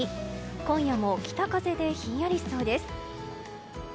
今夜も北風でひんやりしそうです。